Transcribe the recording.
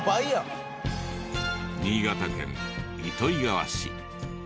新潟県糸魚川市。